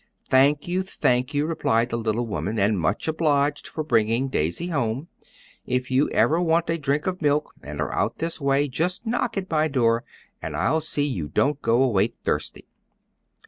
"Thank you, thank you," replied the little woman, "and much obliged for bringing Daisy home. If you ever want a drink of milk, and are out this way, just knock at my door and I'll see you don't go away thirsty."